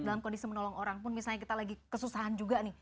dalam kondisi menolong orang pun misalnya kita lagi kesusahan juga nih